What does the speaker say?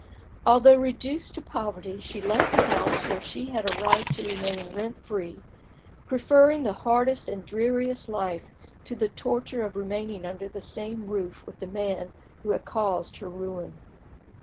Although reduced to poverty, she left the house where she had a right to remain rent free, preferring the hardest and dreariest life to the torture of remaining under the same roof with the man who had caused her ruin.